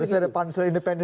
harus ada pansel independen